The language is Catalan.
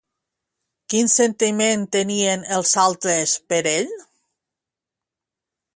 Quin sentiment tenien els altres per ell?